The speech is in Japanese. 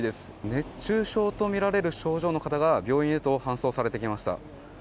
熱中症とみられる症状の方が病院へと搬送されてきました。